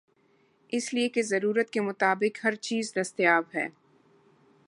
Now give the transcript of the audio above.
اس لئے کہ ضرورت کے مطابق ہرچیز دستیاب ہے۔